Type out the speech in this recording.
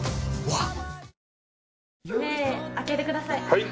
はい。